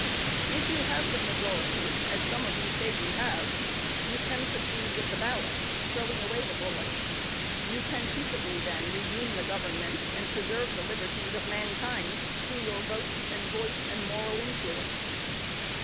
"'If you have the majority, as some of you say you have, you can succeed with the ballot, throwing away the bullet. You can peaceably, then, redeem the Government, and preserve the liberties of mankind, through your votes and voice and moral influence.